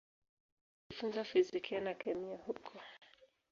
Alijifunza fizikia na kemia huko.